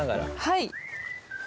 はい。